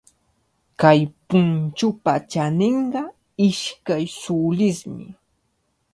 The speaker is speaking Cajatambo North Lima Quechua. Kay punchupa chaninqa ishkay sulismi.